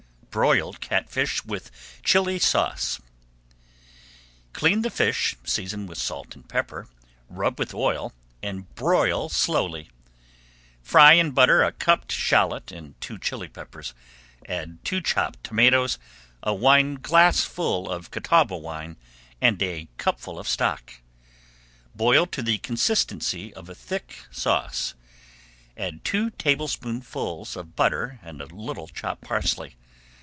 BROILED BLACKFISH WITH CHILLI SAUCE Clean the fish, season with salt and pepper, rub with oil, and broil slowly. Fry in butter a chopped shallot and two chilli peppers. Add two chopped tomatoes, a wineglassful of Catawba wine, and a cupful of stock. Boil to the consistency of a thick sauce, add two tablespoonfuls of butter and a little chopped parsley.